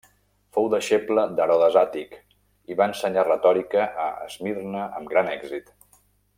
Fou deixeble d'Herodes Àtic i va ensenyar retòrica a Esmirna amb gran èxit.